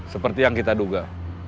seperti yang kita duga